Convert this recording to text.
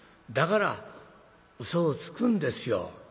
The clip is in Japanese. だからうそをつくんですよ。